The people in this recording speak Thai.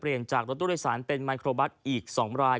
จากรถตู้โดยสารเป็นไมโครบัสอีก๒ราย